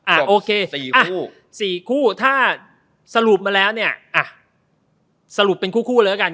อ่ะอ่ะสี่คู่สี่คู่ถ้าสรุปมาแล้วเนี้ยอ่ะสรุปเป็นคู่คู่เลยกัน